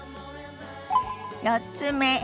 ４つ目。